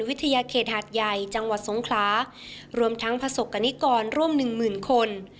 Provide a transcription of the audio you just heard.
วิทยาเขตหาดใหญ่จังหวัดสงครารวมทั้งประสบกรณิกรร่วมหนึ่งหมื่นคน